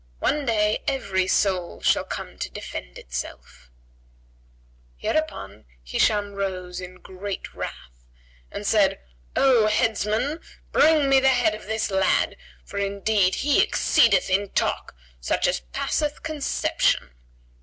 'One day, every soul shall come to defend itself.'"[FN#146] Hereupon Hisham rose, in great wrath, and said, "O headsman, bring me the head of this lad; for indeed he exceedeth in talk, such as passeth conception."